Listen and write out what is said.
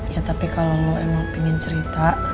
ya tapi kalo lo emang pengen cerita